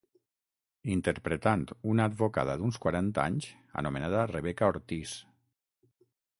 Interpretant una advocada d'uns quaranta anys anomenada Rebeca Ortiz.